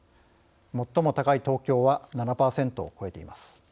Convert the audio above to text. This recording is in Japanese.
最も高い東京は７％を超えています。